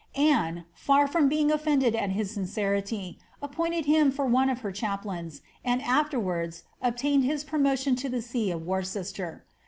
Anne, &r from being oflended at his sincerity, appointed him for one of her chaplains, and afterwards obtained Yob promotion to the see of Worcester.